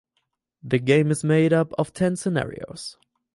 The game is made up of ten scenarios.